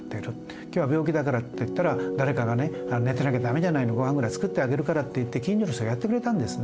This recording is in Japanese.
今日は病気だからって言ったら誰かがね寝てなきゃ駄目じゃないのごはんぐらい作ってあげるからって言って近所の人がやってくれたんですね。